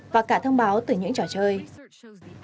và cả thông báo từ những điện thoại của các em